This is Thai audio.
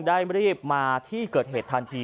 รีบมาที่เกิดเหตุทันที